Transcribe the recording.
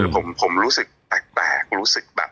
ผมรู้สึกแปลกรู้สึกแบบ